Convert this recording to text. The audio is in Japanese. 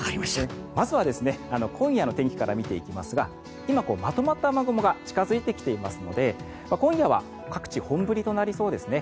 まずは今夜の天気から見ていきますが今、まとまった雨雲が近付いてきていますので今夜は各地本降りとなりそうですね。